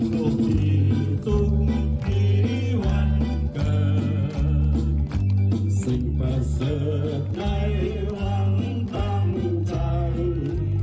ทุกทีทุกทีวันเกิดสิ่งประเสริฐในหวังต่างทัน